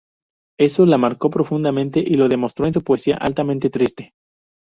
Eso la marcó profundamente, y lo demostró en su poesía, altamente triste.